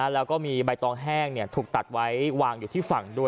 แล้วก็มีใบตองแห้งถูกตัดไว้วางอยู่ที่ฝั่งด้วย